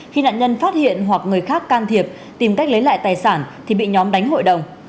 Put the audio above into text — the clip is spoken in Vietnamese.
khi nạn nhân phát hiện hoặc người khác can thiệp tìm cách lấy lại tài sản thì bị nhóm đánh hội đồng